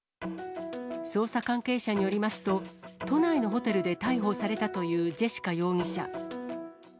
捜査関係者によりますと、都内のホテルで逮捕されたというジェシカ容疑者。